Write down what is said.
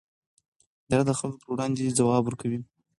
اداره د خلکو پر وړاندې ځواب ورکوي.